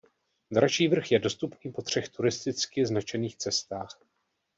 Dračí vrch je dostupný po třech turisticky značených cestách.